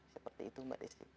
seperti itu mbak desy